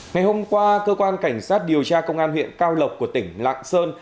ngày hôm qua cơ quan cảnh sát điều tra công an huyện cao lộc của tỉnh lạng sơn